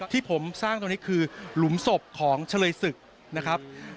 ที่ผมสร้างตรงนี้คือหลุมศพของเฉลยศึกนะครับ